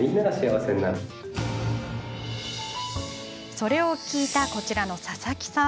それを聞いたこちらの佐々木さん